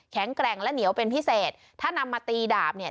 แข็งแกร่งและเหนียวเป็นพิเศษถ้านำมาตีดาบเนี่ย